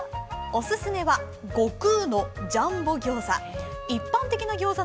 お勧めは悟空のジャンボ餃子。